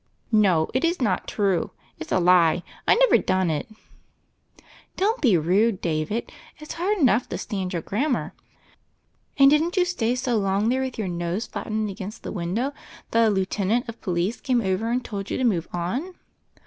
"No, it is not true. It's a lie. I never done it." "Don't be rude, David; it's hard enough to stand your grammar. And didn't you stay so long there with your nose flattened against the window that a lieutenant of police came over and told you to move on?"